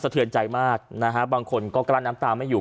มันเสียใจมากนะฮะบางคนก็กำลังน้ำตาไม่อยู่